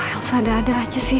elsa ada ada aja sih